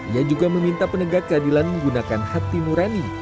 ia juga meminta penegak keadilan menggunakan hati nurani